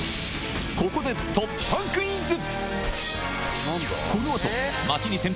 ここで突破クイズ！